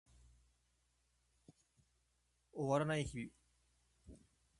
終わらない日々